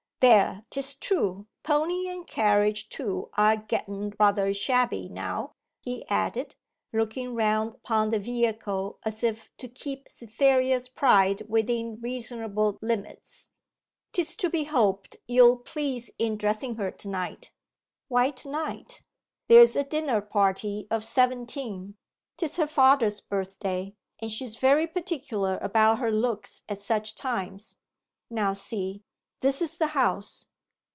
There, 'tis true, pony and carriage too are getten rather shabby now,' he added, looking round upon the vehicle as if to keep Cytherea's pride within reasonable limits. ''Tis to be hoped you'll please in dressen her to night.' 'Why to night?' 'There's a dinner party of seventeen; 'tis her father's birthday, and she's very particular about her looks at such times. Now see; this is the house.